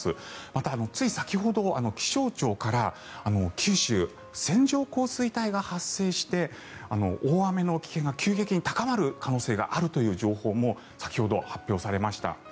また、つい先ほど気象庁から九州、線状降水帯が発生して大雨の危険が急激に高まる可能性があるという情報も先ほど発表されました。